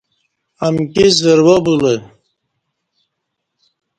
امکی زروا بولہ